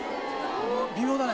微妙だな。